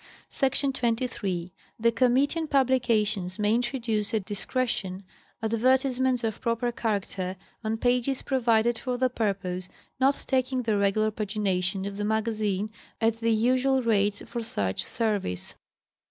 Src. 23. The Committee on Publications may introduce at discretion advertisements of proper character, on pages provided for the purpose not taking the regular pagination of the Maga zine, at the usual rates for such service.